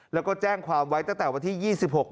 แล้วก็แจ้งความไว้ตั้งแต่นะคะวันที่๒๖มกราคม